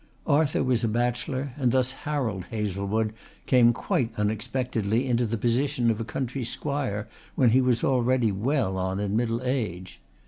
Arthur was a bachelor and thus Harold Hazlewood came quite unexpectedly into the position of a country squire when he was already well on in middle age.